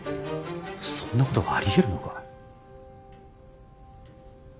そんなことがあり得るのか？